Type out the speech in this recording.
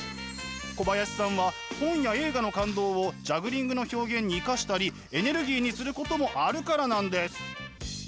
小林さんは本や映画の感動をジャグリングの表現に生かしたりエネルギーにすることもあるからなんです。